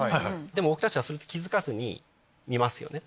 でも僕たちはそれに気付かずに見ますよね？